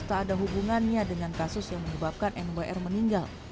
tak ada hubungannya dengan kasus yang menyebabkan nwr meninggal